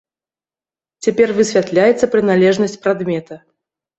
Цяпер высвятляецца прыналежнасць прадмета.